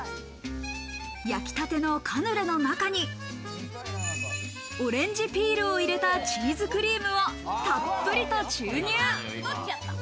焼きたてのカヌレの中に、オレンジピールを入れたチーズクリームをたっぷりと注入。